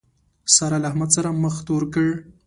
سارا له احمد سره مخ تور کړ.